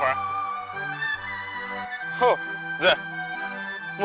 banci ya kan sadara aman